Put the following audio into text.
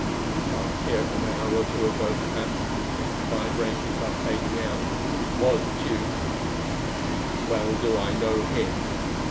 "He passed here an hour or two ago, perhaps. The vibrations are fading out. But it was Tugh. Well do I know him.